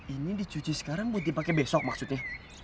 ini dicuci sekarang buat dipakai besok maksudnya